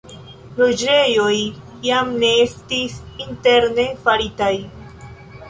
Loĝejoj jam ne estis interne faritaj.